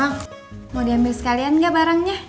bang mau diambil sekalian gak barangnya